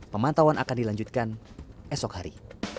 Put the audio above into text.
pemantauan akan dilanjutkan esok hari